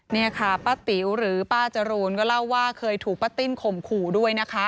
นี่ค่ะป้าติ๋วหรือป้าจรูนก็เล่าว่าเคยถูกป้าติ้นข่มขู่ด้วยนะคะ